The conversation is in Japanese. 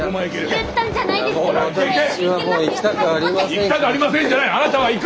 「行きたくありません」じゃない！